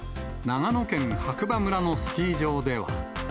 長野県白馬村のスキー場では。